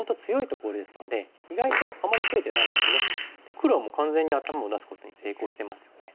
黒はもう完全に頭を出すことに成功してますよね。